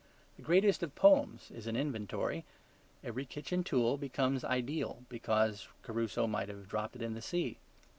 The greatest of poems is an inventory. Every kitchen tool becomes ideal because Crusoe might have dropped it in the sea.